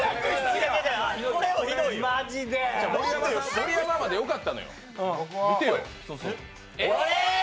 盛山までよかったのよ。